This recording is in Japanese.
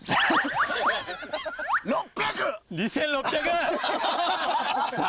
６００！